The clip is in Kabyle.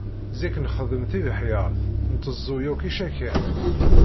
Zik nxeddem tibeḥyar, nteẓẓu yakk icakan.